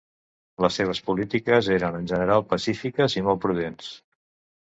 Les seves polítiques eren en general pacífiques, i molt prudents.